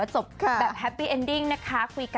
ใช่อย่างงี้อะค่ะ